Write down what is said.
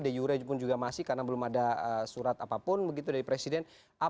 de jure pun juga masih karena belum ada surat apapun begitu dari presiden